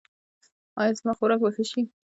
ایا زما خوراک به ښه شي؟